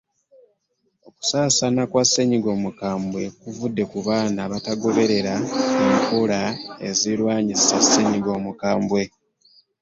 Okusaasaana kwa ssenyiga omukambwe kuvudde ku baana abatagoberera enkola zirwanyisa ssenyiga omukambwe.